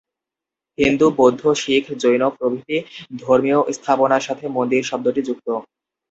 হিন্দু, বৌদ্ধ, শিখ, জৈন প্রভৃতি ধর্মীয় স্থাপনার সাথে মন্দির শব্দটি যুক্ত।